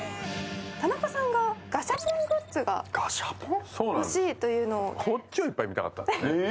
田中さんがガシャポングッズが欲しいということでこっちをいっぱい見たかったんですね。